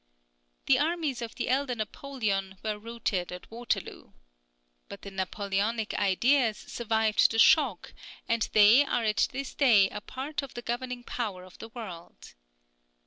The armies of the elder Napoleon were routed at Waterloo. But the Napoleonic ideas survived the shock, and they are at this day a part of the governing power of the world.